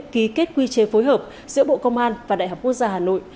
ký kết quy chế phối hợp giữa bộ công an và đại học quốc gia hà nội